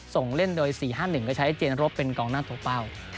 ส่งเล่นโดย๔๕๑ก็ใช้เจนรบเป็นกองหน้าตัวเป้า